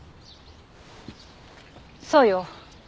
そうよ。